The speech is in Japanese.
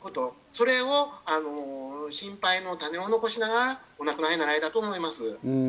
それを心配の種を残しながら、お亡くなりになられたと思います。